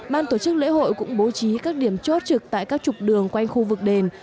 ban tổ chức lễ hội cũng bố trí các điểm chốt trực tại các trục đường quanh khu vực đền